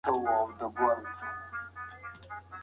جلاین د څیړنې یوه مهمه مرحله نه ده.